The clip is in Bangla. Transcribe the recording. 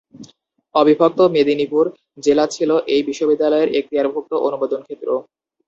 অবিভক্ত মেদিনীপুর জেলা ছিল এই বিশ্ববিদ্যালয়ের এক্তিয়ারভুক্ত অনুমোদনক্ষেত্র।